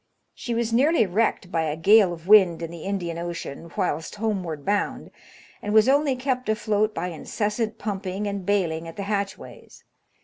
She was nearly wrecked by a gale of wind in the Indian Ocean whilst homeward bound, and was only kept afloat by incessant pumping and baling at the hatchways.